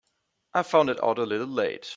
I found it out a little late.